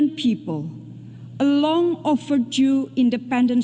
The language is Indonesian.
sebuah negara negara yang terhutang